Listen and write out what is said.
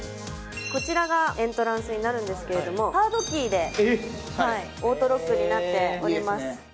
こちらがエントランスになるんですけど、カードキーでオートロックになっております。